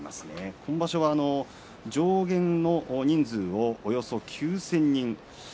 今場所は上限の人数およそ９０００人。